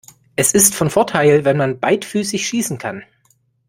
Es ist von Vorteil wenn man beidfüßig schießen kann.